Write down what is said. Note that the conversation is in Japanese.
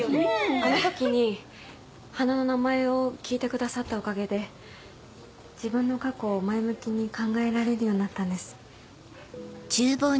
あの時に花の名前を聞いてくださったおかげで自分の過去を前向きに考えられるようになったんです。